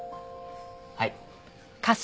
はい。